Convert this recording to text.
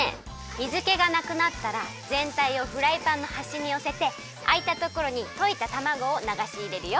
水けがなくなったらぜんたいをフライパンのはしによせてあいたところにといたたまごをながしいれるよ。